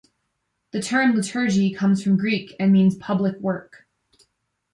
The term liturgy comes from Greek and means "public work".